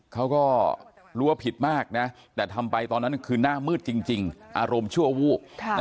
เขาก็รู้ว่าผิดมากนะแต่ทำไปตอนนั้นคือหน้ามืดจริงอารมณ์ชั่ววูบ